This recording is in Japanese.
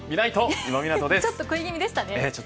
ちょっと食い気味でしたね。